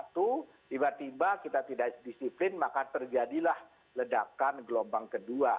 tiba tiba kita tidak disiplin maka terjadilah ledakan gelombang kedua